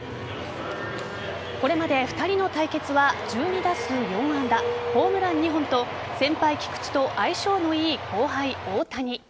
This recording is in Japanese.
これまで２人の対決は１２打数４安打ホームラン２本と先輩・菊池と相性の良い後輩・大谷。